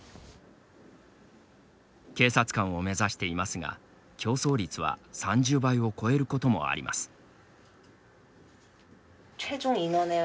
警察官を目指していますが競争率は３０倍を超えることもあります。